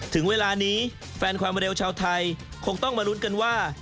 ถึงเวลานี้แฟนความเร็วชาวไทยคงต้องมาลุ้นกันว่า